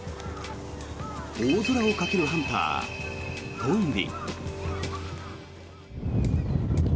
大空をかけるハンター、トンビ。